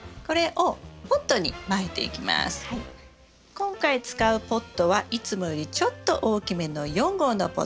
今回使うポットはいつもよりちょっと大きめの４号のポット。